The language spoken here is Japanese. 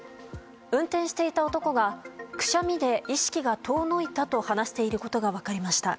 運転していた男がくしゃみで意識が遠のいたと話していることが分かりました。